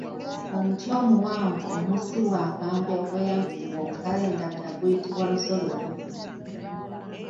Omuti omuwanvu omussibwa akambe ogweyambisibwa okusala endagala guyitibwa Lusolobyo.